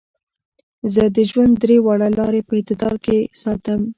زۀ د ژوند درې واړه لارې پۀ اعتدال کښې ساتم -